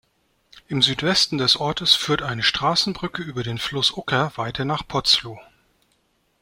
Im Südwesten des Ortes führt eine Straßenbrücke über den Fluss Ucker weiter nach Potzlow.